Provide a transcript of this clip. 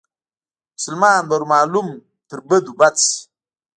مسلمان به ور معلوم تر بدو بد شي